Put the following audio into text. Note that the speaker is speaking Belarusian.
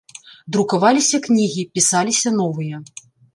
Друкаваліся кнігі, пісаліся новыя.